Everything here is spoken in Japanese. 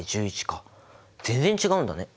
全然違うんだね。